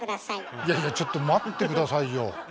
いやいやちょっと待って下さいよ。